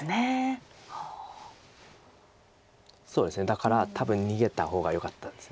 だから多分逃げた方がよかったです。